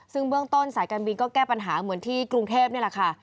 ซึ่งเบื้องต้นสายการบินก็แก้ปัญหาเหมือนที่กรุงเทพนี่แหละค่ะ